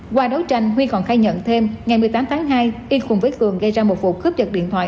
qua đấu tranh huy còn khai nhận thêm ngày một mươi tám tháng hai y cùng với cường gây ra một vụ cướp dật điện thoại